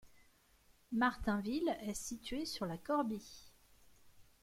Martainville est située sur la Corbie.